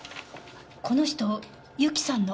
この人由紀さんの。